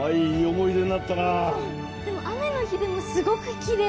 舞衣、でも、雨の日でもすごくきれい。